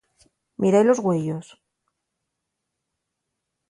Míra-y los güeyos.